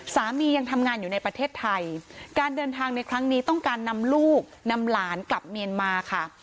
ยังทำงานอยู่ในประเทศไทยการเดินทางในครั้งนี้ต้องการนำลูกนำหลานกลับเมียนมาค่ะ